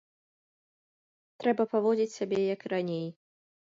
Трэба паводзіць сябе, як і раней.